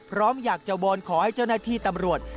พร้อมอยากจะวอนขอให้เจ้าหน้าที่ตำรวจ